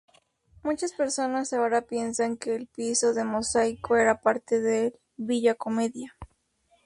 Muchas personas ahora piensan que el piso de mosaico era parte del Villa Commedia.